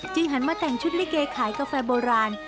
หันมาแต่งชุดลิเกขายกาแฟโบราณ